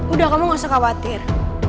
udah kamu gak usah khawatir